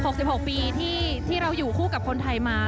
๖๖ปีที่เราอยู่คู่กับคนไทยมา